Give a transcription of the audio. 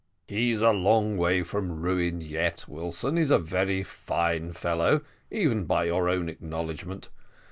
"He's a long way from ruin yet, Wilson he's a very fine fellow, even by your own acknowledgment.